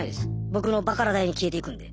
僕のバカラ代に消えていくんで。